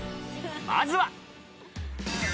まずは。